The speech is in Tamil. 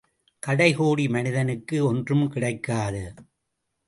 கடை கோடி மனிதனுக்கு ஒன்றும் கிடைக்காது.